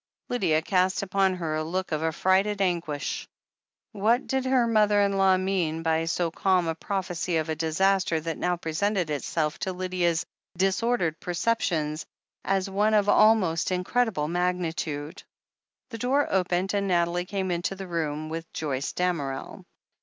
Lydia cast upon her a look of affrighted anguish. What did her mother in law mean by so calm a prophecy of a disaster that now presented itself to Lydia's disordered perceptions as one of almost in credible magnitude? The door opened and Nathalie came into the room with Joyce Damerel.